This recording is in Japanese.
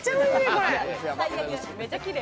これ。